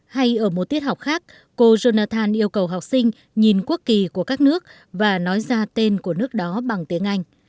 hay ở một tiết học khác cô jonathan yêu cầu học sinh nhìn quốc kỳ của các nước và nói ra tên của nước đó bằng tiếng anh